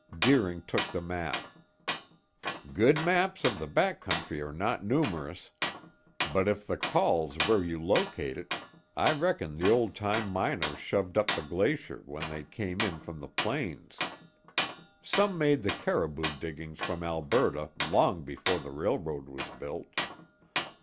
Deering took the map. "Good maps of the back country are not numerous, but if the col's where you locate it, I reckon the old time miners shoved up the glacier when they came in from the plains. Some made the Caribou diggings from Alberta long before the railroad was built."